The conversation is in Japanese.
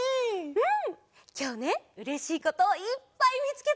うん。